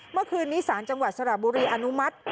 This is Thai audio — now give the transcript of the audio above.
เมื่อคืนนี้สารจังหวัดสระบุรีอนุมัติ